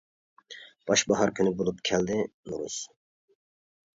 باش باھار كۈنى بولۇپ كەلدى نورۇز.